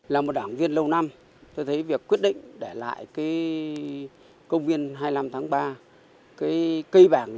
là một đảng viên lâu năm tôi thấy việc quyết định để lại công viên hai mươi năm tháng ba